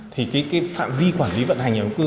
thì cái phạm vi quản lý vận hành nhà chung cư